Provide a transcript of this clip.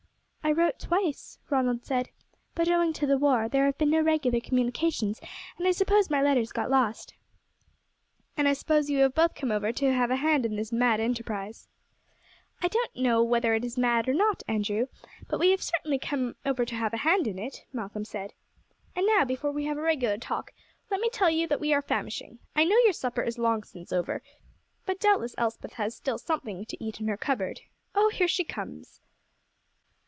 "I wrote twice," Ronald said; "but owing to the war there have been no regular communications, and I suppose my letters got lost." "And I suppose you have both come over to have a hand in this mad enterprise?" "I don't know whether it is mad or not, Andrew; but we have certainly come over to have a hand in it," Malcolm said. "And now, before we have a regular talk, let me tell you that we are famishing. I know your supper is long since over, but doubtless Elspeth has still something to eat in her cupboard. Oh, here she comes!"